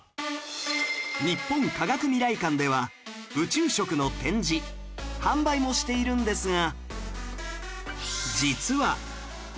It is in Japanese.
日本科学未来館では宇宙食の展示販売もしているんですが